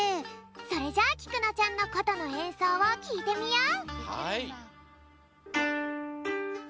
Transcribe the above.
それじゃあきくのちゃんのことのえんそうをきいてみよう！